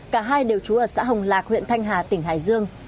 cả hai đều trú ở xã hồng lạc huyện thanh hà tỉnh hải dương